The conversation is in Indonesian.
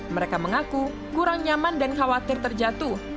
mereka mengaku kurang nyaman dan khawatir terjatuh